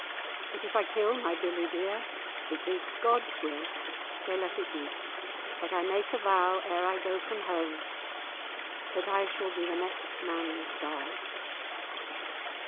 But if I kill my billie dear It is God's will, so let it be; But I make a vow, ere I go from home, That I shall be the next man's die."